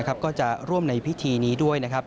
ก็จะร่วมในพิธีนี้ด้วย